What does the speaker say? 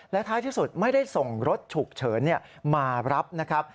และท้ายที่สุดไม่ได้ส่งรถฉุกเฉินมารับนะครับ